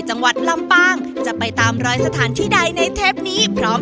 จังหวัดลำปางจะไปตามรอยสถานที่ใดในเทปนี้พร้อม